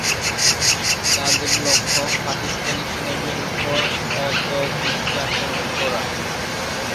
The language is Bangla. তাদের লক্ষ্য পাকিস্তানি সেনাদের ওপর অতর্কিতে আক্রমণ করা।